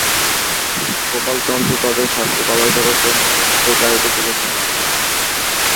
গোপাল চন্দ্র তাঁদের শার্টের কলার ধরে টেনে-হিঁচড়ে গাড়িতে তুলে থানায় নিয়ে যান।